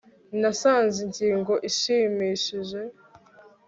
nasanze ingingo ishimishije